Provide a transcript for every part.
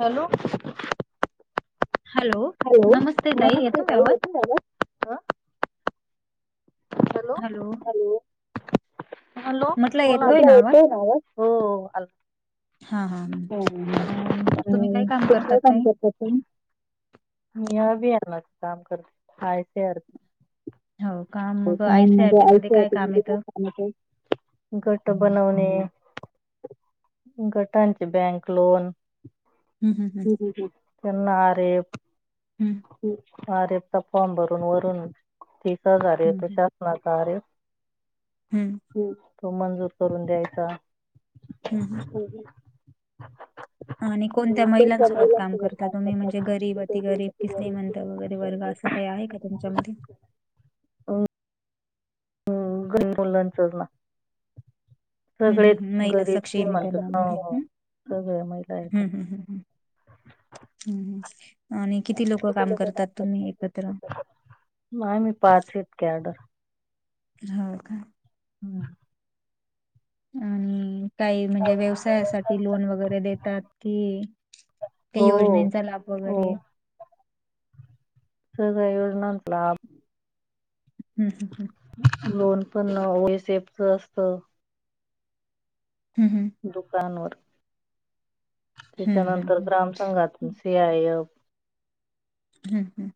Hello. Hello, नमस्ते ताई. येतोय आवाज? हॅलो. हॅलो बोला, म्हटलं येतोय का आवाज,, हो बोला. हां हां हम्म. अम, तुम्ही आणि काय काम तुम्ही करतात काय काम ताई करतात ताई? बी या लावायच काम करते, कायटर. हो काम मग पण म आयसीआयपी मध्ये आयष काय काम येतं आहे. [unintelligible] [unintelligible] गट हम्म, बनवणे. गटांचे बँक लोन हम्म, हम्म, त्यांना आर एफ हम्म. आर एफ चा फॉर्म भरून वरूनच, तीस हजार हम्म, येतं हम्म, शासनाचा आर एफ. हम्म. तो मंजूर करून द्यायचा. हम्म. हो. आणि कोणत्या महिलांसोबत काम करता तुम्ही,? म्हणजे करता गरीब, अति गरीब की श्रीमंत वगैरे वर्ग असंऽ तुम्ही असं काही आहे का तुमच्यामध्ये.? अम् हम्म गरीब मुलांचं ना. हम्म सगळे हम्म हम्म, महिला गरीब श्रीमंत हो, सक्षेमीकरणामध्ये, हो. हम्म सगळ्या महिला हम्म येतात हम्म हम्म्म. हम्म हं, आणि किती लोकं काम करतात तुम्ही एकत्र? नाही मी पाच इतकी आर्डर? हो का. हम्म. आणि, काही म्हणजे व्यवसायासाठी लोन वगैरे देतात कि, काही हो योजनांचा लाभ हो वगैरे, स कावड ना आणला. [unintelligible] हम्म हम्म हम्म. लोन पण ओएसएफच असतं. हम्म हम्म. दुकानवर, हं हं त्याच्यानंतर हं ग्राम संंघातून सीआययप हम्म,,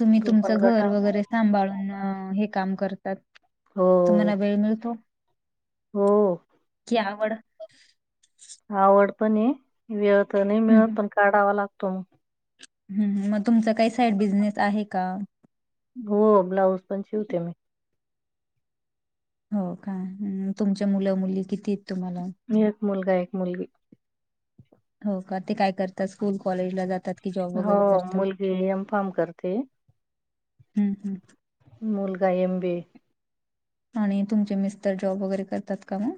तुम्ही तू पण तुमचं घर गटा वगैरे सांभाळून हे काम करऽ तात,, हो तुम्हाला वेळ मिळतो? हो. की आवड. आवड पण आहे, वेळ तर नाही हं मिळत, पण काढावा लागतो. हम्म, मग तुमचा काही साईड बिझनेस आहे का? हो, ब्लाऊज पण शिवते मी. हो काय, तुमच्या मुलं मुली किती आहेत तुम्हाला. एक मुलगा, एक मुलगी. हो का ते काय करतात, स्कूल कॉलेजला जातात की जॉब हो, वगैरे करतात? मुलगी एम फार्म करते. हम्म- हम्म. मूलगा एम बी. ए. आणि तुमचे मिस्टर जॉब वगैरे करतात का मग.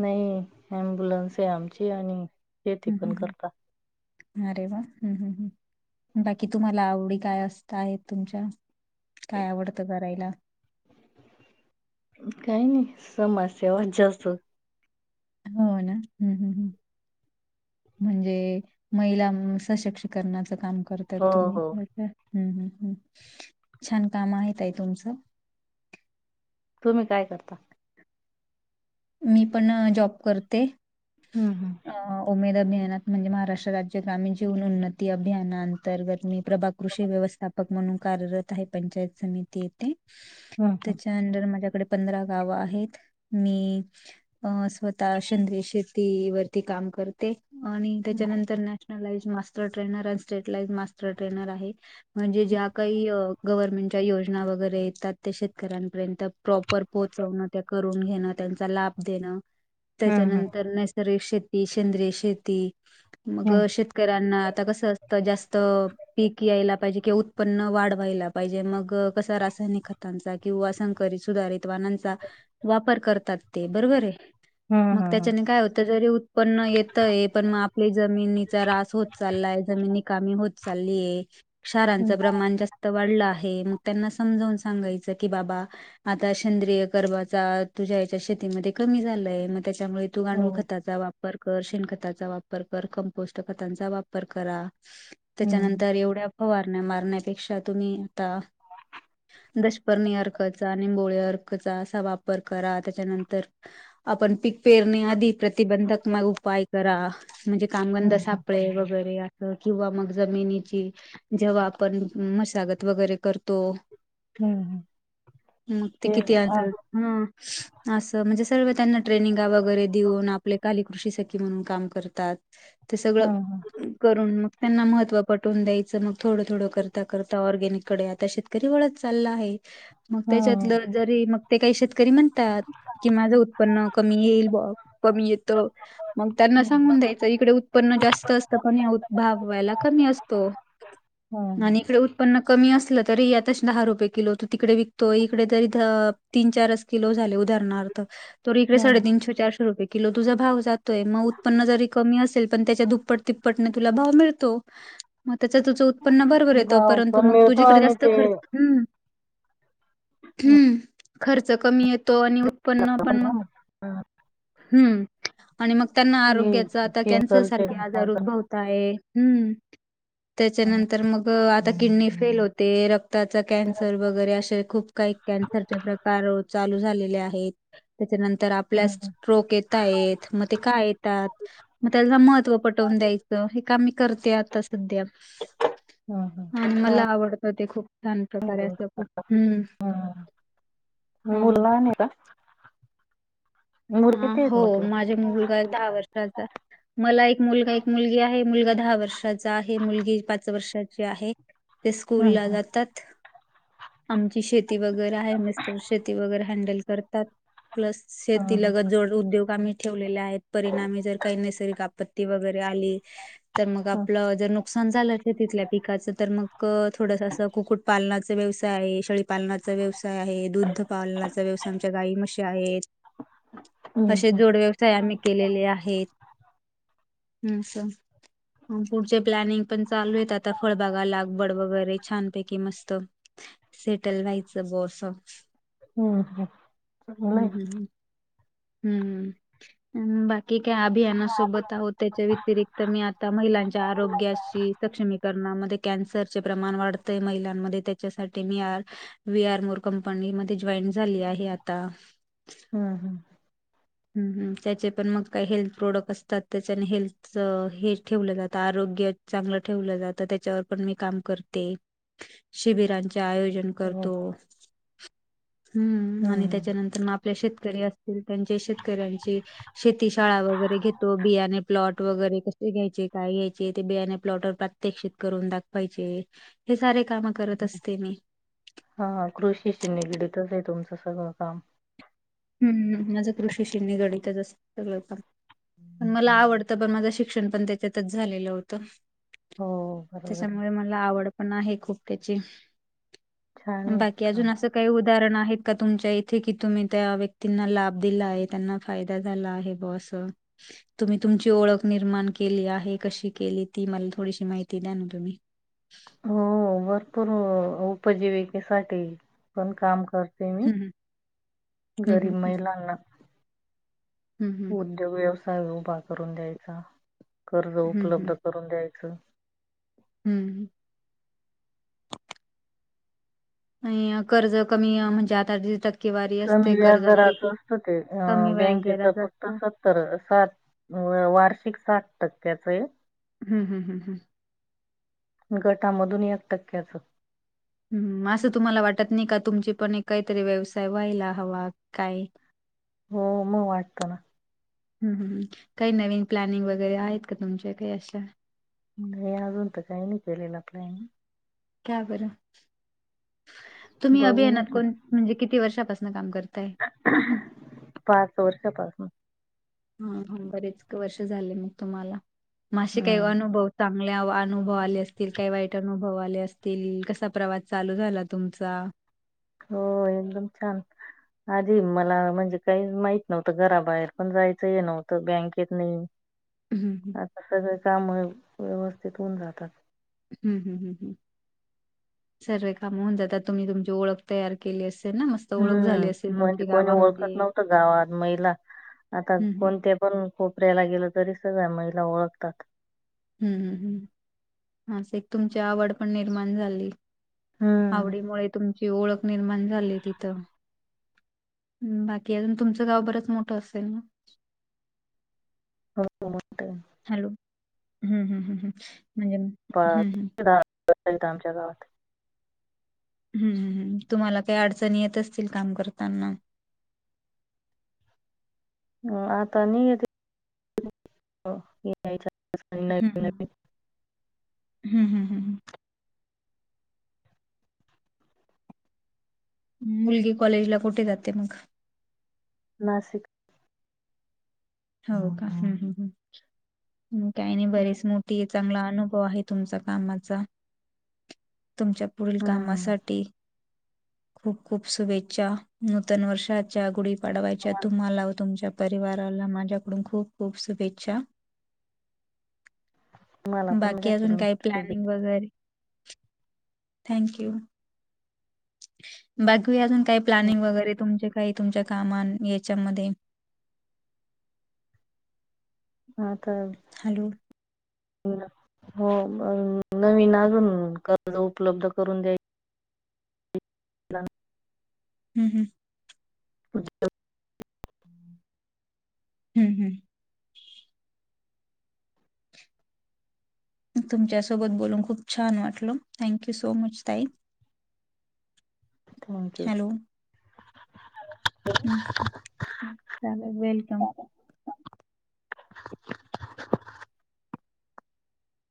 नाही, अम्ब्युलन्स आहे आमची आणि शेती हम्म- पण हम्म- हम्म. करता अरे वा, हम्म- हम्म- हम्म बाकी तुम्हाला आवडी काय असत आहेत तुमच्या. काय आवडतं करायला. काय नाही, समाजसेवाच जास्त. हो ना, हम- हम-हम्. म्हणजे, महिला सशक्तीकरणाचं काम करते. त्यात हो तुम्ही हो हाय का. हम- हम- हम छान काम आहे ताई तुमचं. तुम्ही काय करता. मी पण जॉब करते. हम्-हम्. उमेगा अभियानात म्हणजे महाराष्ट्र राज्य ग्रामीण जीवन उन्नती अभियाना अंतर्गत मी प्रभाग कृषी व्यवस्थापक म्हणून कार्यरत आहे, पंचायत समिती येथे. हम्म त्याच्या अंडर माझ्याकडे पंधरा गाव आहेत. मी अ स्वतः सेंद्रिय शेती वरती काम करते. आणि त्याच्यानंतर ना मास्टर ट्रेनर अ स्टेट लाइज मास्टर ट्रेनर आहे. म्हणजे ज्या काही गर्वमेंटच्या योजना वगैरे येतात, त्या शेतकऱ्यांपर्यंत प्रॉपर पोहोचवण त्या करून घेण त्यांच लाभ देण. हम्म हम्म त्याच्यानंतर नैसर्गिक शेती, सेंद्रय शेती मग हम्म शेतकऱ्यांना आता कसं असतं, जास्त पीक यायला पाहिजे, किंवा उत्पन्न वाढवायला पाहिजे. मग कसा रासायनिक खतांचा किंवा संकरित सुधारित वाणांचा वापर करतात. ते बरोबर आहे. हा- हा. मग त्याच्याने काय होतं, जरी उत्पन्न येतय पण मग आपले जमिनीचा ऱ्हास होत चाललाय. जमिनी कमी होत चालली आहे. क्षारांच हम्म हम्म प्रमाण जास्त वाढलं आहे. मग त्यांना समजावून सांगायचं की बाबा आता सेंद्रिय गरबाचा तुझ्या च्या शेतीमध्ये कमी झालय, मग त्याच्यामुळे तू गांडूळ हो खताचा वापर कर, शेण खताचा वापर कर, कंपोस्ट खतांचा वापर करा. हम्म त्याच्यानंतर एवढ्या ओ वारण्या मारण्यापेक्षा तुम्ही आता दशपर्णी अर्कचा, निंबोळी अर्कचा असा वापर करा. त्याच्या त्याच्यानंतर आपण पीक पेरणी आधी प्रतिबंधात्मक उपाय करा, म्हणजे कामगंध हम्म सापळे वगैरे किंवा मग जमिनीची जेव्हा आपण मशागत वगैरे करतो. हम्म हम्म मग ते किती हा आल. हा ह असं म्हणजे सर्व त्यांना ट्रेनिंगा वगैरे देऊन, आपले काही कृषी सखी म्हणून काम करतात ते सगळं हा करून मग त्यांना महत्त्व पटवून द्यायचं मग थोडं थोडं करता करता ऑरगॅनिक कडे आता शेत शेतकरी वळत चालला आहे, मग हा त्याच्यातलं जरी मग ते काही शेतकरी म्हणतात कि माझं उत्पन्न कमी येईल कमी येतं मग त्यांना सांगून द्याय आता इकडे उत्पन्न जास्त असतं कणी भाव व्हायला कमी असतो. [unintelligible] आणि इकड उत्पन्न कमी असलं तरी आताशी दहा रुपये किलो तो तिकड विकतो इकडे तरी ध तीन चारच किलो झाले उदाहरणार्थ तर इकडे हा साडेतीशे चारशे रुपय किलो तुझा भाव जातोय म उत्पन्न जरी कमी असेल पण त्याच्या दुप्पट तिप्पटने तुला भाव मिळतो. [inaudible] मग त्याच तुझं उत्पन्न बरोबर येतं भाव परंतु पण मग मिळतो तुझीकडे आणि जास्त ते खर्च हू हू खर्च कमी येतो आणि उत्पन्न पण मग हू आणि मग त्यांना हे आरोग्याचा आता कॅन्सर केमिकल ते सारखे आजार उद्भवत आणि त्याच्यानंतर मग आता किडनी फेल होते रक्त ताच कॅन्सर वगैरे अशा खूप काही कॅन्सरचे प्रकार चालू झालेले आहेत त्याच्यानंतर आपल्यास येत आहेत म ते का येतात म त्यांना महत्व पटवून द्यायचं हे काम मी करते आता सध्या आणि मला आवडतं ते खूप छान प्रकारे असं खूप हू म मूल लहानये का मुल हा किती आहेत हो म्हटलं? माझे मुलगा एक दहा वर्षाचा मला एक मुलगा एक मुलगी आहे मुलगा दहा वर्षाचा आहे मुलगी पाच वर्षाची आहे. ते हम्म स्कूलला जातात. आमची शेती वगैरे आहे मिस्टर शेती वगैरे हँडल करतात प्लस ति हम्म लगत जोड उद्योग आम्ही ठेवलेले आहेत परिणामी जर काही नैसर्गिक आपत्ती वगैरे आली तर मग आपलं जर नुकसान झालं तिथल्या पिकाचं तर मग थोडस असं कुक्कुट पालनाचा व्यवसाय आहे शेळी पालनाचा व्यवसाय आहे दुध पालनाचा व्यवसाय आमच्या गायी मशी आहेत. हम्म तशे जोड व्यवसाय आम्ही केलेले आहेत असं म पुढचे प्लॅनिंग पण चालू आहेत आता फळबागा लागवड वगैरे छानपैकी मस्त. सेटल व्हायचं बोस. हू ह चांगलाय हू अन् बाकी काय अभियाना सोबत आहोत. त्याच्या व्यतिरिक्त मी आता महिलांच्या आरोग्याची सक्षमीकरणा मध्ये कॅन्सरचे प्रमाण वाढत वाढतय महिलांमध्ये त्याच्यासाठी मी आज वी आर मोर कंपनी मध्ये जॉईन झाली आहे आता. हम् हम्. हू हू त्याचे पण मग काय हेल्थ प्रोडक्ट असतात त्याच्याने हेल्थ हे ठेवलं जातं आरोग्य चांगलं ठेवलं जातं त्याच्यावर पण मी काम करते. शिबिरांचे आयोजन हो करतो हू आणि हम्म त्यांच्यानंतर म आपण आपल्या शेतकरी असतील त्यांचे शेतकऱ्यांची शेती शाळा वगैरे घेतो बियाणे प्लॉट वगैरे कसे घ्यायचे काय घ्यायचे ते बियाणे प्लॉटवर प्रतेक्षित करून दाखवायचेे हे सारे काम करत असते मी. हा कृषीशी निगडीतच आहे तुमच सगळ काम. हम्म, माझ कृषीशि निगडीतच असत सगळ काम. पण मला आवडत पण. माझ शिक्षण पण त्याच्यातच झालेल होत. हो बरोबर आहे. त्याच्यामुळे मला आवड पण आहे खूप त्याची. छान आहे बाकी काम अजून अस काही उदाहरण आहेत का तुमच्या इथे की तुम्ही त्यावे तीना लाभ दिला आहे त्यांना फायदा झाला आहे बवा अस. तुम्ही तुमची ओळख निर्माण केली आहे कशी केली ती मला थोडीशी माहिती द्या ना तुम्ही. हो हो भरपूर उपजीविकेसाठी पण काम कर ते मी. हम्म हम्म गरीब हम्म महिलांना हम्म उद्योग व्यवसाय उभा करून द्यायचा. कर्ज हम्म उपलब्ध हम्म करून द्यायच. हम्म आणि कर्ज कमी म्हणजे आता टक्केवारी असते कमी कर्जाची व्याजदराच ती असत ते. कमी व्याज बँकेच दराच फक्त असत सत्तर सात, वार्षिक साठ टक्क्याच आहे. हम्म हम्म हम्म हम्म गटामधून एक टक्क्याच. हम्म, अस तुम्हाला वाटत नाही का तुमची पण काहीतरी व्यवसाय व्हायला हवा. काय हो मग वाटत ना. हम्म हम्म, काही नवीन प्लॅनिंग वगैरे आहेत का तुमच्या काही अशा. नाही अजून तर काही नाही केलेला प्लॅन. का बर तुम्ही बघू अभियानात म्हटलं कोण म्हणजे किती वर्षापासून काम करताय. पाच वर्षापाासून. हा हा बरेच वर्ष झाले मग तुम्हाला. म असे काही हम्म. अनुभव सां चांगले अनुभव आले असतील. काही वाईट अनुभव आले असतील. कसा प्रवास चालू झाला तुमचा. हो एकदम छान. आधी मला म्हणजे काहीच माहित नव्हत. घराबाहेर पण जायच हे नव्हत. बँकेत नाही. हं आता सगळे काम व्यवस्थित होऊन जातात. हम्म हम्म हम्म हम्म सर्व कामे होऊ जातात. तुम्ही तुमची ओळख तयार केली असेल ना मस्त. ओळख झाली हम्म, असेल म्हणजे तुमची कोणी ओळखत गावामध्ये नव्हत गावात. महिला आता हं हं कोणत्या पण कोपऱ्याला गेल तरी सगळया महिला ओळखतात. हम्म हम्म हम्म, अस एक तुमची आवड पण निर्माण झाली. हम्म आवडीमुळे तुमची ओळख निर्माण झाली तिथ. हम्म, बाकी अजून, तुमच गाव बरच मोठ असेल ना. हो मोठ आहे. हॅलो, हम्म हम्म हम्म म्हणजे हम्म हम्म [unintelligible] अमच्या गावात. हम्म हम्म, तुम्हाला काही अडचणी येत असतील काम करताना. ह आता नाही येत आहे. हम्म हम्म हम्म हम्म हम्म मुलगी कॉलेजला कुठे जाते मग. नाशिक हो का, हम्म हम्म हम्म मग काही नाही बरीच मोठी आहेत. चांगला अनुभव आहे तुमचा कामाचा तुमच्यात पुढील हम्म कामासाठी खूप, खूप शुभेच्छा, नूतन वर्षाच्या, गुढी- पाडवायच्या तुम्हाला व तुमच्या परिवाराला माझ्या कडुन खूप, खूप शुभेच्छा. मला पण बाकी अजून माझ्याकडून काय प्लॅनिंग शुभेच्छा वगैरे? Thank you. बाकी अजून काय प्लॅनिंग वगैरे, तुमचे काही तुमच्या कामानं याच्यामध्ये? हा तर. हॅलो [unintelligible] हो नवीन अजून कर्ज उपलब्ध करून द्याय [inaudible] [inaudible] [inaudible] हम्म, हम्म. तुमच्यासोबत बोलून खूप छान वाटल, थँक्यू सो मच ताई. [inaudible] Thank you. हॅलो. हं, हं चालेल वेलकम.